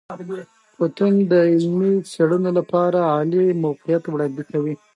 پوهنتون د علمي څیړنو لپاره عالي موقعیت وړاندې کوي.